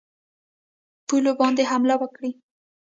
پولو باندي حمله وکړي.